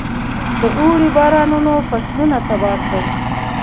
د اوړي بارانونو فصلونه تباه کړل.